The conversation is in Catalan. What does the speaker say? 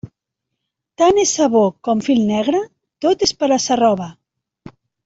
Tant és sabó com fil negre, tot és per a sa roba.